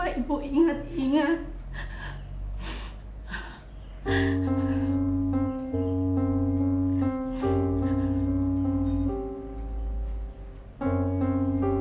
bagaimana bu masih ingat dengan saya ya